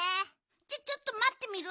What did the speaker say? じゃあちょっとまってみる？